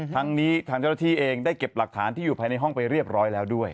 ทั้งนี้ทางเจ้าหน้าที่เองได้เก็บหลักฐานที่อยู่ภายในห้องไปเรียบร้อยแล้วด้วย